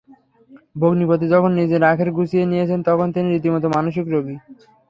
ভগ্নিপতি যখন নিজের আখের গুছিয়ে নিয়েছেন, তখন তিনি রীতিমতো মানসিক রোগী।